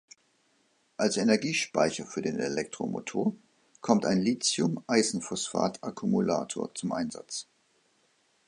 Als Energiespeicher für den Elektromotor kommt ein Lithium-Eisenphosphat-Akkumulator zum Einsatz.